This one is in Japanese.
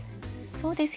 そうです